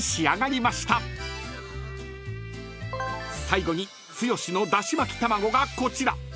［最後に剛のだし巻き玉子がこちら］